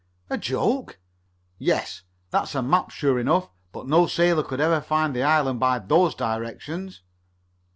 "A joke?" "Yes. That's a map, sure enough, but no sailor could ever find the island by those directions."